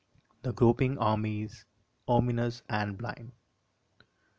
The groping armies, ominous and blind.